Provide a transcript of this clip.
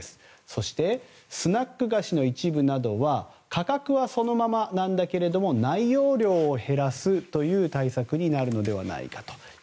そしてスナック菓子の一部などは価格はそのままなんだけれど内容量を減らすという対策になるのではないかと。